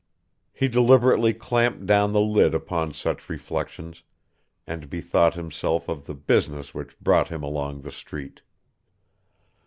He deliberately clamped down the lid upon such reflections and bethought himself of the business which brought him along the street.